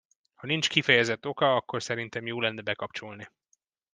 Ha nincs kifejezett oka, akkor szerintem jó lenne bekapcsolni.